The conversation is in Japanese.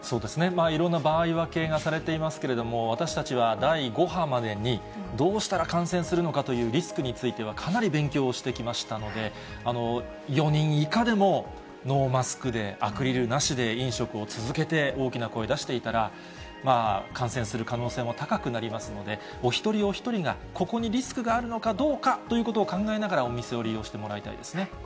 いろんな場合分けがされていますけれども、私たちは、第５波までにどうしたら感染するのかというリスクについてはかなり勉強をしてきましたので、４人以下でも、ノーマスクでアクリルなしで飲食を続けて大きな声出していたら、感染する可能性も高くなりますので、お一人お一人がここにリスクがあるのかどうかということを考えながら、お店を利用してもらいたいですね。